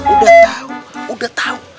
udah tahu udah tahu